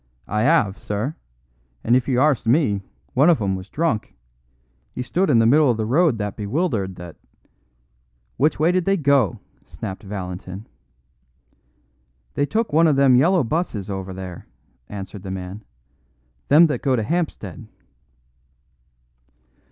"I 'ave, sir; and if you arst me, one of 'em was drunk. He stood in the middle of the road that bewildered that " "Which way did they go?" snapped Valentin. "They took one of them yellow buses over there," answered the man; "them that go to Hampstead."